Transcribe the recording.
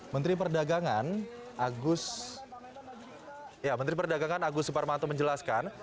menteri perdagangan agus suparmanto menjelaskan